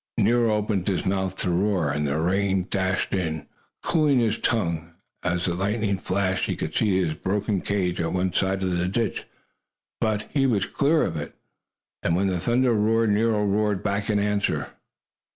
Nero opened his mouth to roar, and the rain dashed in, cooling his tongue. As the lightning flashed he could see his broken cage at one side of the ditch, but he was clear of it. When the thunder roared Nero roared back in answer.